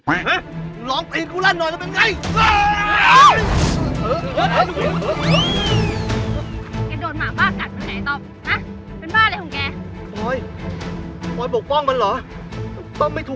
หึหลองพี่มาลั่นหน่อยจะเป็นไง